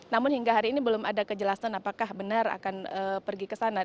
namun hingga hari ini belum ada kejelasan apakah benar akan pergi ke sana